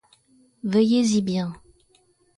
Veillez-y bien.